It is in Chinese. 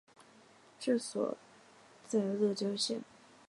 治所在乐郊县。